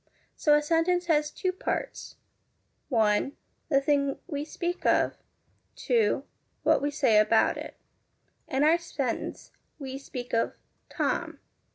So a sentence has two parts : (1) The thing we speak of; (2) What we say about it. In our sentence, we speak of ' Tom.'